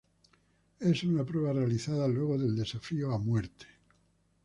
Es una prueba realizada luego del Desafío a Muerte.